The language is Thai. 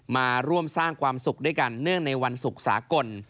มาร่วมสร้างความสุขด้วยกันเนื่องในวันศุกร์สากล